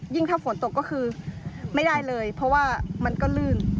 ถ้าฝนตกก็คือไม่ได้เลยเพราะว่ามันก็ลื่น